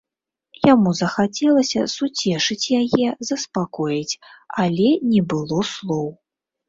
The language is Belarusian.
Яму захацелася суцешыць яе, заспакоіць, але не было слоў.